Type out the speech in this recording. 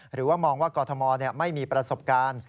หรือว่ามองว่ากรทมไม่มีประสบการณ์